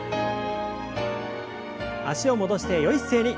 脚を戻してよい姿勢に。